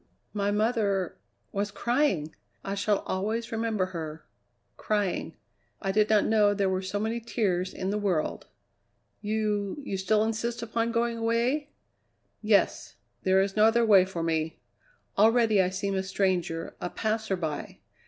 "My mother was crying! I shall always remember her crying. I did not know there were so many tears in the world!" "You you still insist upon going away?" "Yes. There is no other way for me. Already I seem a stranger, a passerby.